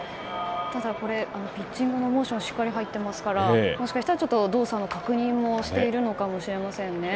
ただ、ピッチングのモーションしっかり入ってますからもしかしたら動作の確認をしているのかもしれませんね。